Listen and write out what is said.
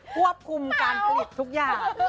ควบคุมการผลิตทุกอย่าง